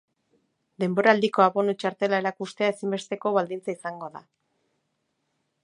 Denboraldiko abonu txartela erakustea ezinbesteko baldintza izango da.